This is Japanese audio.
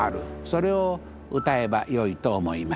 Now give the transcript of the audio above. それをうたえばよいと思います。